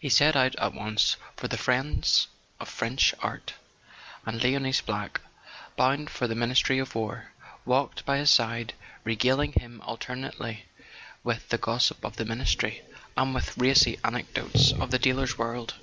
He set out at once for "The Friends of French Art," and Leonce Black, bound for the Ministry of War, walked by his side, regaling him alternately with the gossip of the Ministry and with racy anecdotes of the dealers' world.